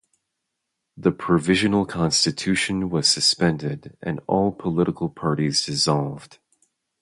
The provisional constitution was suspended and all political parties dissolved.